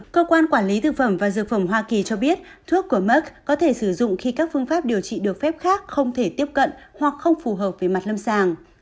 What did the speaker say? cơ quan quản lý thực phẩm và dược phẩm hoa kỳ cho biết thuốc của mek có thể sử dụng khi các phương pháp điều trị được phép khác không thể tiếp cận hoặc không phù hợp với mặt lâm sàng